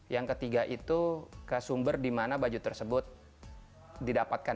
yang ketiga itu ke sumber di mana baju tersebut didapatkan